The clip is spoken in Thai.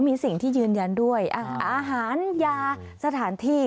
มีสิ่งที่ยืนยันด้วยอาหารยาสถานที่